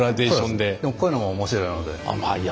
でもこういうのも面白いので。